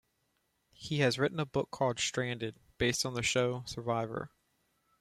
He has written a book called "Stranded", based on the show "Survivor.